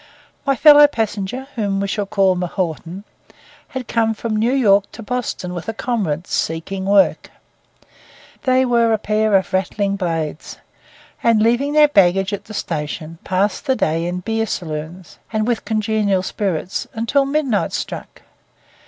My fellow passenger, whom we shall call M'Naughten, had come from New York to Boston with a comrade, seeking work. They were a pair of rattling blades; and, leaving their baggage at the station, passed the day in beer saloons, and with congenial spirits, until midnight struck.